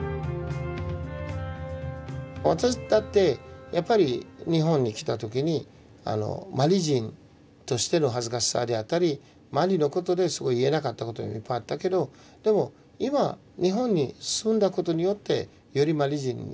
私だってやっぱり日本に来た時にマリ人としての恥ずかしさであったりマリのことですごい言えなかったことがいっぱいあったけどでも今日本に住んだことによってよりマリ人によりマリ化していった。